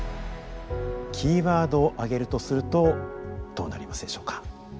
キーワードを挙げるとするとどうなりますでしょうか。